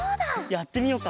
やってみようか。